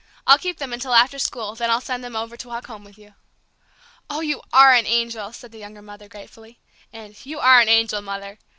I'll keep them until after school, then I'll send them over to walk home with you." "Oh, you are an angel!" said the younger mother, gratefully. And "You are an angel, Mother!"